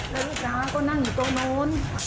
แล้วลูกสาวก็นั่งอยู่ตรงนู้น